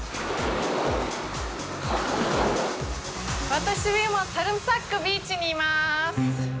私は今、サルムサクルビーチにいます。